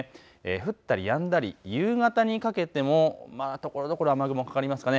降ったりやんだり夕方にかけてもところどころ雨雲かかりますかね。